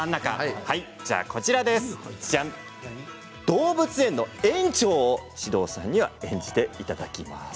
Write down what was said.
動物園の園長を獅童さんには演じていただきます。